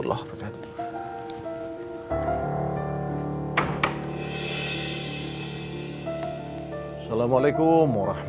assalamualaikum wr wb